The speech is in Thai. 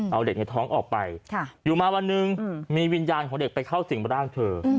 เอาเด็กในท้องออกไปอยู่มาวันหนึ่งมีวิญญาณของเด็กไปเข้าสิ่งร่างเธอ